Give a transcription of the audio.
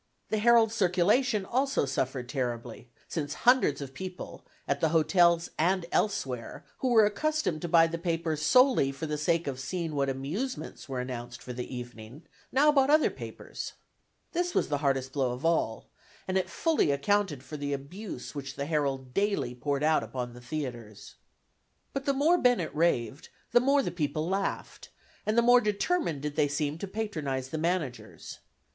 The Herald's circulation also suffered terribly, since hundreds of people, at the hotels and elsewhere, who were accustomed to buy the paper solely for the sake of seeing what amusements were announced for the evening, now bought other papers. This was the hardest blow of all, and it fully accounted for the abuse which the Herald daily poured out upon the theatres. But the more Bennett raved the more the people laughed, and the more determined did they seem to patronize the managers.